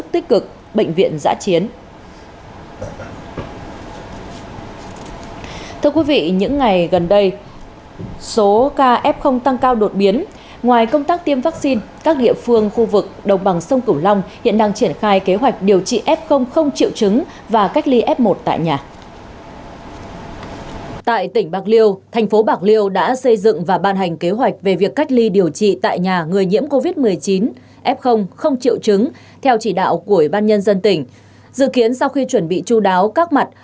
theo chỉ đạo của ủy ban nhân dân tỉnh dự kiến sau khi chuẩn bị chú đáo các mặt